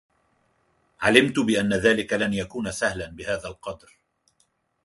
علمت بأن ذلك لن يكون سهلا بهذا القدر.